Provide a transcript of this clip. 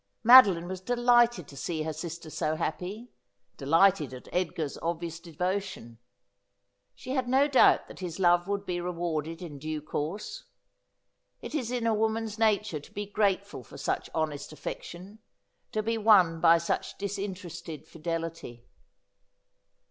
Madeline was delighted to see her sister so happy, delighted at Edgar's obvious devotion. She had no doubt that his love would be rewarded in due course. It is in a woman's nature to be grateful for such honest affection, to be won by such disin terested fidelity.